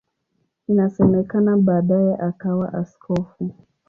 Inasemekana baadaye akawa askofu.